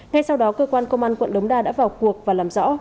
ngay sau đó cơ quan công an quận đống đa đã vào cuộc và làm rõ